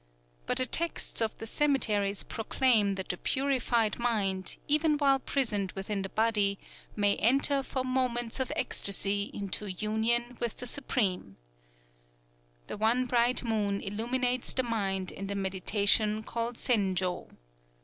But the texts of the cemeteries proclaim that the purified mind, even while prisoned within the body, may enter for moments of ecstasy into union with the Supreme: "_The One Bright Moon illuminates the mind in the meditation called Zenjō.